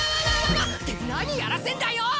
って何やらせんだよ！